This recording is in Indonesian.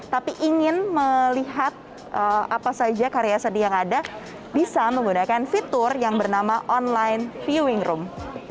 tapi ingin melihat apa saja karya seni yang ada bisa menggunakan fitur yang bernama online viewing room